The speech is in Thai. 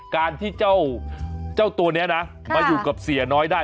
การที่เจ้าตัวนี้นะมาอยู่กับเสียน้อยได้